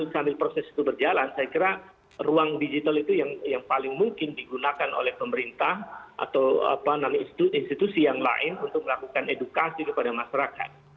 sambil proses itu berjalan saya kira ruang digital itu yang paling mungkin digunakan oleh pemerintah atau institusi yang lain untuk melakukan edukasi kepada masyarakat